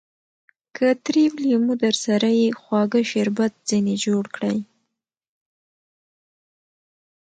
که تريو لېمو درسره يي؛ خواږه شربت ځني جوړ کړئ!